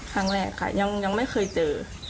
ครั้งแรกค่ะยังไม่เคยเจอ